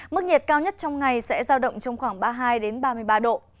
mức nhiệt cao nhất trong ngày sẽ giao động trong khoảng ba mươi hai ba mươi ba độ